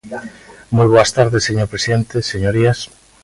Moi boas tardes, señor presidente, señorías.